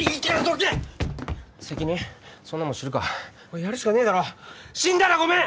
そんなもん知るかもうやるしかねえだろ死んだらごめん！